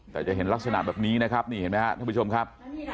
แต่จะเห็นลักษณะแบบนี้นะครับนี่เห็นไหมครับท่านผู้ชมครับ